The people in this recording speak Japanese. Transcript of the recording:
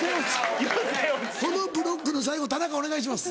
このブロックの最後田中お願いします。